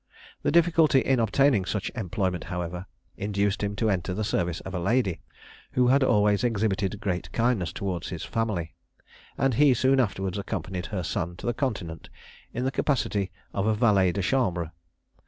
The difficulty in obtaining such employment, however, induced him to enter the service of a lady, who had always exhibited great kindness towards his family; and he soon afterwards accompanied her son to the Continent in the capacity of valet de chambre.